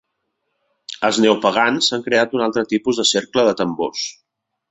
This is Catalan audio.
Els neopagans han creat un altre tipus de cercle de tambors.